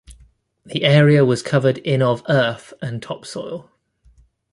The area was covered in of earth and topsoil.